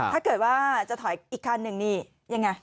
ถ้าเกิดว่าจะถอยอีกคันหนึ่งนี่ยังไง